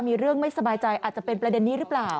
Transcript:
มีเรื่องไม่สบายใจอาจจะเป็นประเด็นนี้หรือเปล่า